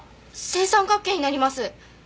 正三角形になります。